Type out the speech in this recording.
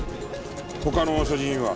他の所持品は？